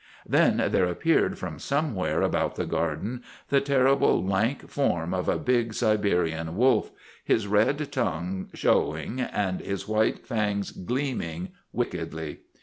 Then there appeared from somewhere about the Garden the terrible, lank form of a big Siberian wolf, his red tongue showing and his white fangs gleaming wickedly.